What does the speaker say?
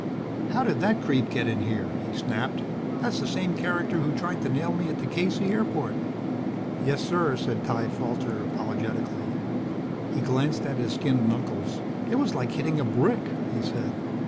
"How did that creep get in here?" he snapped. "That's the same character who tried to nail me at the K.C. airport." "Yes, sir," said Ty Falter apologetically. He glanced at his skinned knuckles. "It was like hitting a brick," he said.